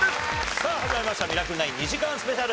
さあ始まりました『ミラクル９』２時間スペシャル。